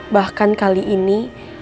bahkan kali ini